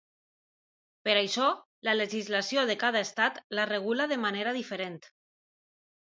Per això, la legislació de cada estat la regula de manera diferent.